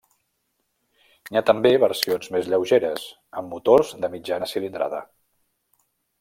N'hi ha també versions més lleugeres, amb motors de mitjana cilindrada.